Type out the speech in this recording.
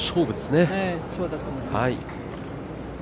そうだと思います。